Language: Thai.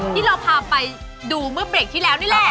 ที่เราพาไปดูเมื่อเบรกที่แล้วนี่แหละ